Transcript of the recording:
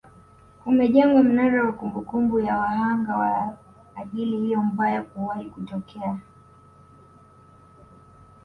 kumejengwa mnara wa kumbukumbu ya wahanga wa ajali hiyo mbaya kuwahi kutokea